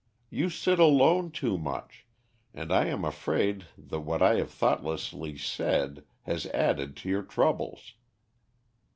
You sit alone too much, and I am afraid that what I have thoughtlessly said has added to your troubles."